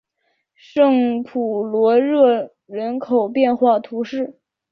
圣普罗热人口变化图示